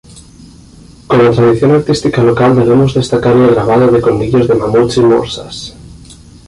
Como tradición artística local debemos destacar el grabado de colmillos de mamuts y morsas.